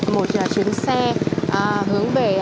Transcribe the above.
một chuyến xe hướng về